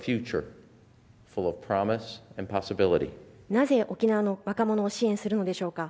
なぜ沖縄の若者を支援するのでしょうか。